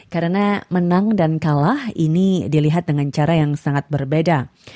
karena menang dan kalah ini dilihat dengan cara yang sangat berbeda